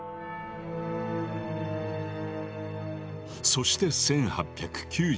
そして１８９７年。